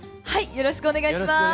よろしくお願いします。